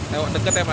lewat dekat ya pak ya